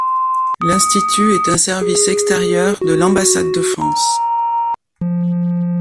L'Institut est un service extérieur de l'ambassade de France.